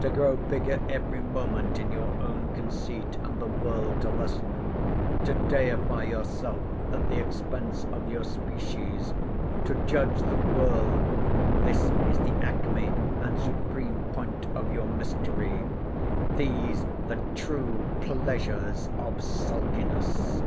To grow bigger every moment in your own conceit, and the world to lessen: to deify yourself at the expense of your species; to judge the world—this is the acme and supreme point of your mystery—these the true PLEASURES of SULKINESS.